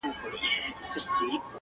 • ضمیر غواړم چي احساس د سلګو راوړي..